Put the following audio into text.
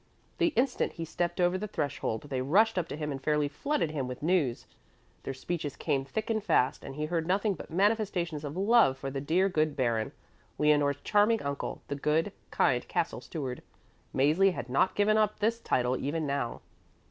The instant he stepped over the threshold they rushed up to him and fairly flooded him with news. Their speeches came thick and fast, and he heard nothing but manifestations of love for the dear, good Baron, Leonore's charming uncle, the good, kind Castle Steward. Mäzli had not given up this title even now.